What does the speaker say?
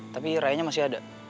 tapi rayanya masih ada